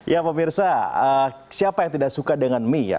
ya pak mirsa siapa yang tidak suka dengan mie